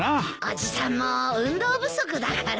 おじさんも運動不足だから。